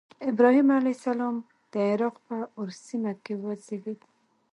ابراهیم علیه السلام د عراق په أور سیمه کې وزیږېد.